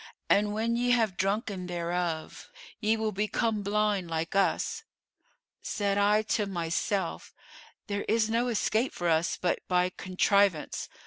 And when ye have drunken thereof, ye will become blind like us.' Said I to myself, 'There is no escape for us but by contrivance.